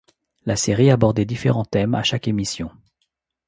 La série abordait différents thèmes à chaque émissions.